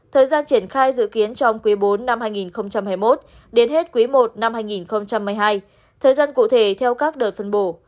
thời gian triển khai dự kiến trong quý bốn năm hai nghìn hai mươi một đến hết quý i năm hai nghìn một mươi hai thời gian cụ thể theo các đợt phân bổ